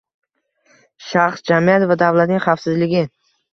shaxs, jamiyat va davlatning xavfsizligi.